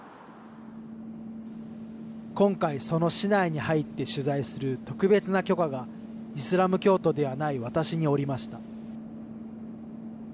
今回、その市内に入って取材する特別な許可がイスラム教徒ではない私に下りました。